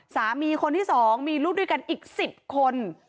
สามีคนที่๒มีลูกด้วยกันอีก๑๐คน